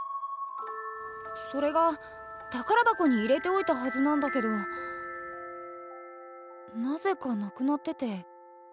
それが宝箱に入れておいたはずなんだけどなぜかなくなってて。